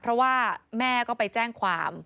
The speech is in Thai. เผื่อเขายังไม่ได้งาน